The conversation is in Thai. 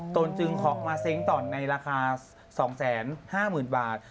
ตนจึงขอมาเซ้งต่อในราคา๒๕๐๐๐บาท